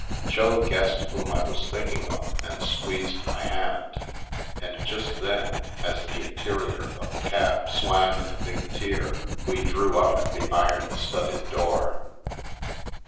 Jo guessed whom I was thinking of, and squeezed my hand, and just then, as the interior of the cab swam in a big tear, we drew up at the iron studded door.